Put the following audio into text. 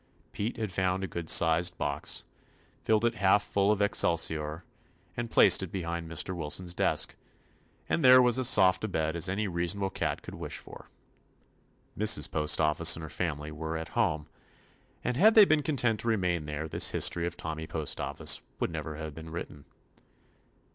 Pete had found a good sized box, filled it half full of excelsior, and placed it behind Mr. Wilson's desk, and there was as soft a bed as any reasonable cat could wish for. Mrs. Postoffice and her family were "at home," and had they been content to remain there this history of Tommy Postoffice would never have been written.